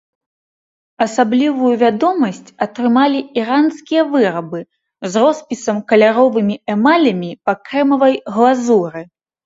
Асаблівую вядомасць атрымалі іранскія вырабы з роспісам каляровымі эмалямі па крэмавай глазуры.